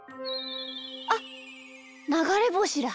あっながれぼしだ。